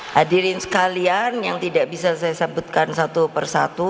hadirin sekalian yang tidak bisa saya sebutkan satu persatu